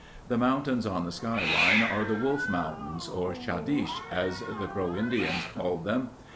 The mountains on the skyline are the Wolf Mountains, or "Chadeesh," as the Crow Indians called them.